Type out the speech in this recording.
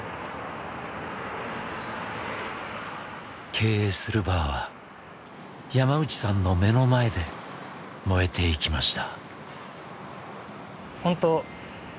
経営するバーは山内さんの目の前で燃えていきました。